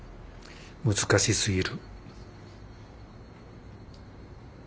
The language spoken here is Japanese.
難しすぎる。